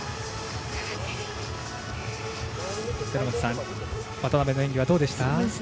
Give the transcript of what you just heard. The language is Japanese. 寺本さん渡部の演技はどうでした？